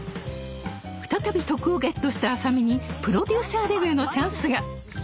再び徳をゲットした麻美にプロデューサーデビューのチャンスが！